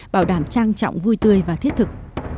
bảo đảm trang trọng vui tươi và thiết thực